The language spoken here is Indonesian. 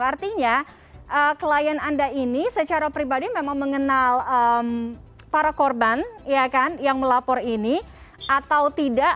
artinya klien anda ini secara pribadi memang mengenal para korban yang melapor ini atau tidak